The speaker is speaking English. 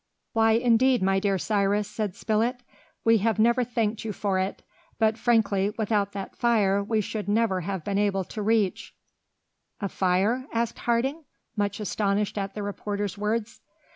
"Why, indeed, my dear Cyrus," said Spilett, "we have never thanked you for it, but frankly, without that fire we should never have been able to reach " "A fire?" asked Harding, much astonished at the reporter's words.